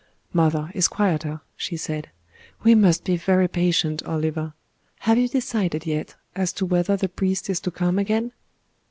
"Mother is quieter," she said. "We must be very patient, Oliver. Have you decided yet as to whether the priest is to come again?"